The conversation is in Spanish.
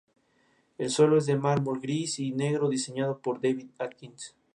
Su doctorado en medicina lo recibió del Trinity College en Dublín.